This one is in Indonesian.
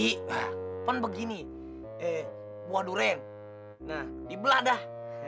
kan begini eh buah durian nah dibelah dah